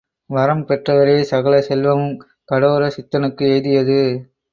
வரம் பெற்றவாறே சகல செல்வமுங் கடோர சித்தனுக்கு எய்தியது.